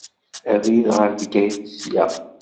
Abrid ɣer Bgayet, sya.